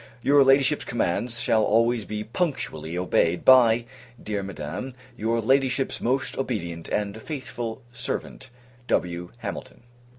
Your Ladyship's commands shall always be punctually obeyed by, dear Madam, your Ladyship's most obedient and faithful servant, W. HAMILTON.